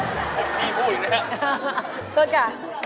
เพราะกะ